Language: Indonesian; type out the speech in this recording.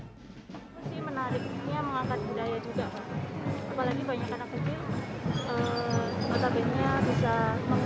masih menariknya mengangkat budaya juga apalagi banyak anak kecil